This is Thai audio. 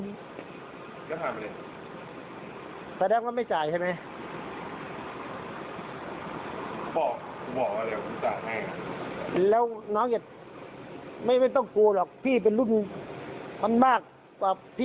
แล้วทำไมไม่แล้วอวกใส่รถพี่หรอทำไม